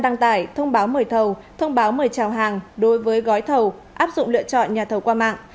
đăng tải thông báo mời thầu thông báo mời trào hàng đối với gói thầu áp dụng lựa chọn nhà thầu qua mạng